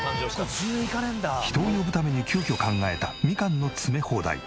人を呼ぶために急きょ考えたみかんの詰め放題。